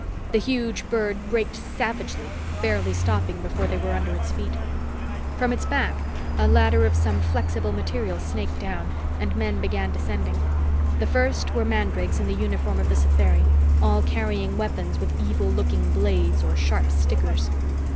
The huge bird braked savagely, barely stopping before they were under its feet. From its back, a ladder of some flexible material snaked down and men began descending. The first were mandrakes in the uniform of the Satheri, all carrying weapons with evil looking blades or sharp stickers.